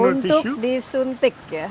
untuk disuntik ya